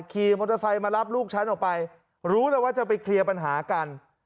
ขี่มอเตอร์ไซค์มารับลูกฉันออกไปรู้แล้วว่าจะไปเคลียร์ปัญหากัน